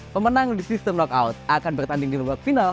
pemenang di sistem knockout akan bertanding di babak final